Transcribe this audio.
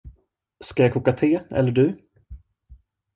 Ska jag koka te eller du?